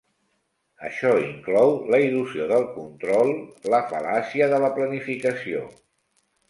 Això inclou la "il·lusió del control", "la fal·làcia de la planificació".